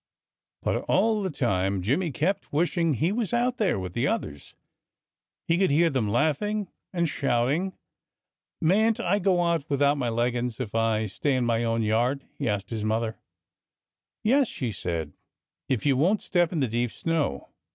But all the time Jimmy kept wishing he was out there with the others. He could hear them laughing and shouting. "Mayn't I go out without my leggins if I stay in my own yard?" he asked his mother. "Yes!" she said, "if you won't step in the deep snow."